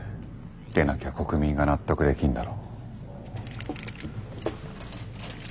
でなきゃ国民が納得できんだろ。